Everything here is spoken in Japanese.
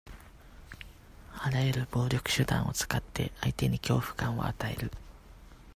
あらゆる暴力手段を使って、相手に恐怖感を与える。